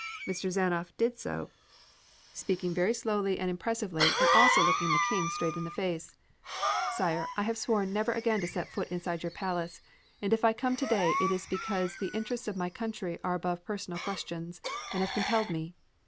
M. Zanoff did so, speaking very slowly and impressively, and also looking the King straight in the face: "Sire, I had sworn never again to set foot inside your palace, and if I come today it is because the interests of my country are above personal questions, and have compelled me.